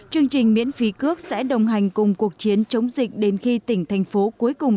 chương trình miễn phí cước sẽ đồng hành cùng cuộc chiến chống dịch đến khi tỉnh thành phố cuối cùng